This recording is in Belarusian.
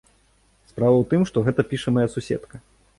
Справа ў тым, што гэта піша мая суседка.